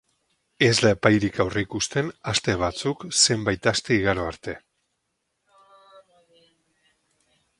Ez da epairik aurreikusten aste batzuk zenbait aste igaro arte.